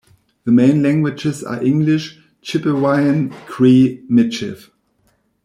The main languages are English, Chipewyan, Cree, Michif.